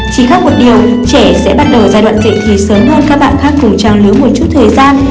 chỉ khác một điều trẻ sẽ bắt đầu giai đoạn dạy thì sớm hơn các bạn khác cùng trang lứa một chút thời gian